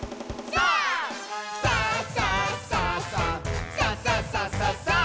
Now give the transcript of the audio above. さあ！さあ！」